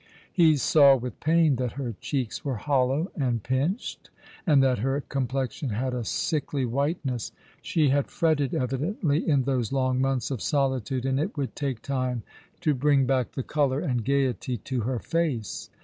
He saw with pain that her cheeks were hollow and pinched, and that her complexion had a sickly whiteness. She had fretted evidently in those long months of solitude, and it would take time to bring back the colour and gaiety to her face.